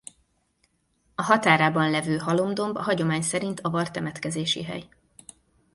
A határában levő Halom-domb a hagyomány szerint avar temetkezési hely.